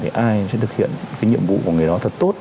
thì ai sẽ thực hiện cái nhiệm vụ của người đó thật tốt